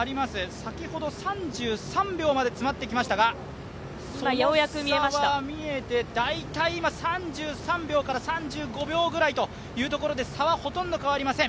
先ほど３３秒にまで詰まってきましたが、その差は大体３３秒から３５秒ぐらいというところで差はほとんど変わりません。